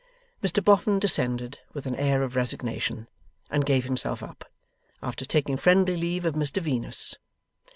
Mr Boffin descended with an air of resignation, and gave himself up, after taking friendly leave of Mr Venus.